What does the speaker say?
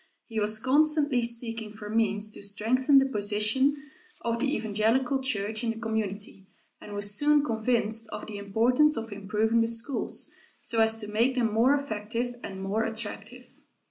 He was constantly seeking for means to strengthen the position of the evangelical church in the community and was soon convinced of the importance of improving the schools, so as to make them more effective and more attractive.